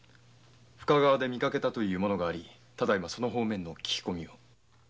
深川で見かけたという者がありその方面で聞き込みを。